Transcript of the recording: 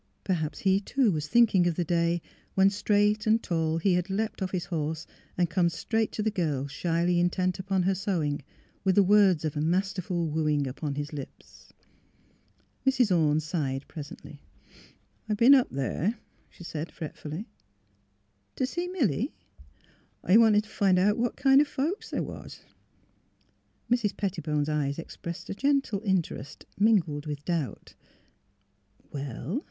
Perhaps he, too, was thinking of the day when, straight and tall, he had leaped off his horse and come straight to the girl shyly intent upon her sewing, with the words of a masterful wooing upon his lips. Mrs. Orne sighed presently. ...'' I've b'en up there," she said, fretfully. '' To see Milly? "'' I wanted t' find out what kind o' folks they was." Mrs. Pettibone's eyes expressed a gentle in terest mingled with doubt. '' Well?